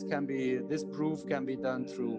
dan ini bisa dilakukan melalui